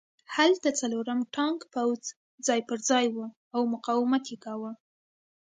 هلته څلورم ټانک پوځ ځای پرځای و او مقاومت یې کاوه